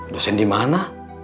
dosen di mana